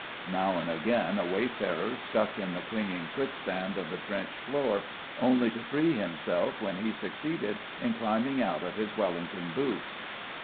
Now and again a wayfarer stuck in the clinging quicksand of the trench floor, only to free himself when he succeeded in climbing out of his Wellington boots.